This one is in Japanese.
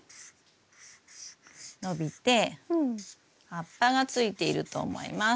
葉っぱがついていると思います。